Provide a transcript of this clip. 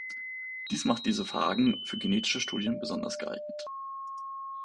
Dies macht diese Phagen für genetische Studien besonders geeignet.